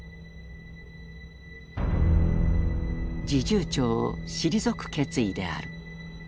侍従長を退く決意である。